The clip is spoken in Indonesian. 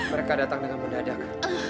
mereka datang dengan mendadak